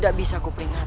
dan menangkap kake guru